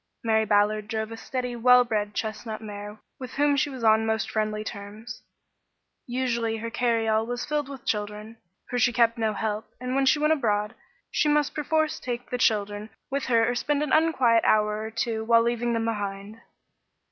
Mary Ballard drove a steady, well bred, chestnut mare with whom she was on most friendly terms. Usually her carryall was filled with children, for she kept no help, and when she went abroad, she must perforce take the children with her or spend an unquiet hour or two while leaving them behind.